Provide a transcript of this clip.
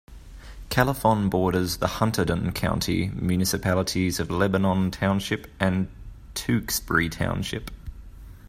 Califon borders the Hunterdon County municipalities of Lebanon Township and Tewksbury Township.